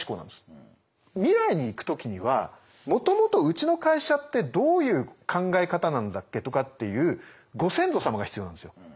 未来にいく時にはもともとうちの会社ってどういう考え方なんだっけとかっていうご先祖様が必要なんですよ。